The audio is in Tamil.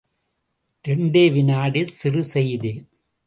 இரண்டே விநாடி சிறு செய்தி.